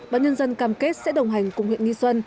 báo nhân dân cam kết sẽ đồng hành cùng huyện nghi xuân